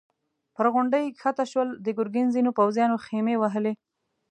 پر غونډۍ کښته شول، د ګرګين ځينو پوځيانو خيمې وهلې.